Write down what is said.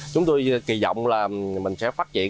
chúng tôi kỳ vọng là mình sẽ phát triển